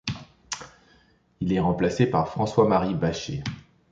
Il est remplacé par François-Marie Bachet.